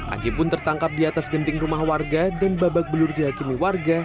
ag pun tertangkap di atas genting rumah warga dan babak belur dihakimi warga